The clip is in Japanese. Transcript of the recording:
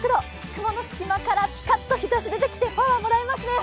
雲の隙間からピカッと日ざしが出てきて元気もらいますね。